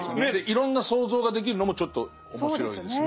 いろんな想像ができるのもちょっと面白いですね。